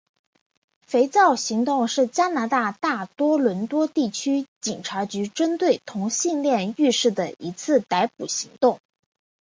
肥皂行动是加拿大大多伦多地区警察局针对同性恋浴室的一次逮捕行动。